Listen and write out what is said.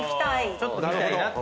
ちょっと見たいなって。